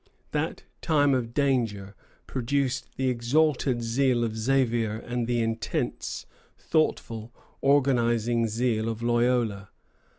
That time of danger produced the exalted zeal of Xavier and the intense, thoughtful, organizing zeal of Loyola.